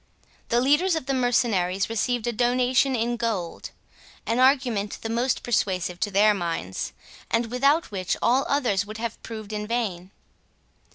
The leaders of the mercenaries received a donation in gold; an argument the most persuasive to their minds, and without which all others would have proved in vain.